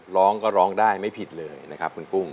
ร้องก็ร้องได้ไม่ผิดเลยนะครับคุณกุ้ง